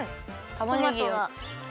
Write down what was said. たまねぎが。